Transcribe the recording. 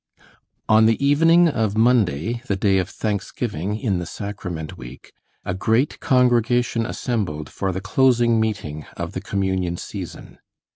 On the evening of Monday, the day of thanksgiving in the Sacrament Week, a great congregation assembled for the closing meeting of the Communion Season.